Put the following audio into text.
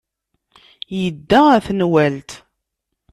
Yedda ɣer tenwalt.